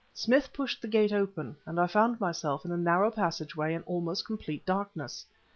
Smith pushed the gate open, and I found myself in a narrow passageway in almost complete darkness.